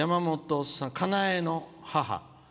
かなえの母。